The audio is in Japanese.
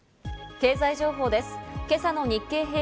経済情報です。